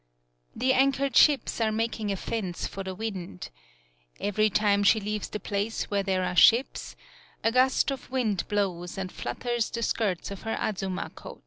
The anchored ships are making a fence for the wind. Every time she leaves the place where there are ships, a gust of wind blows and flutters the skirts of her Azuma coat.